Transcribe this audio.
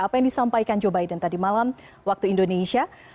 apa yang disampaikan joe biden tadi malam waktu indonesia